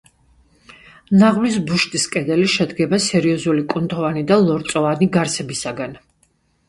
ნაღვლის ბუშტის კედელი შედგება სეროზული კუნთოვანი და ლორწოვანი გარსებისაგან.